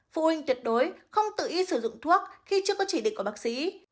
phụ huynh tuyệt đối không tự ý sử dụng thuốc khi chưa có chỉ định của bác sĩ